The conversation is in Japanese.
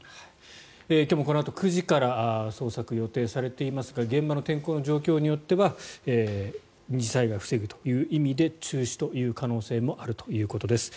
今日もこのあと９時から捜索が予定されていますが現場の天候の状況によっては二次災害を防ぐという意味で中止という可能性もあるということです。